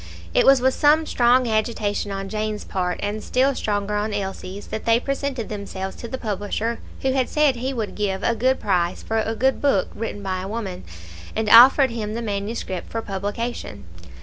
It was with some strong agitation on Jane's part, and still stronger on Elsie's, that they presented themselves to the publisher who had said he would give a good price for a good book written by a woman, and offered him the manuscript for publication.